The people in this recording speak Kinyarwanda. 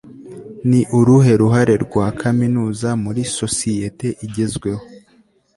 ni uruhe ruhare rwa kaminuza muri sosiyete igezweho